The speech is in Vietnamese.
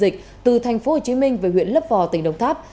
dịch từ thành phố hồ chí minh về huyện lấp vò tỉnh đồng tháp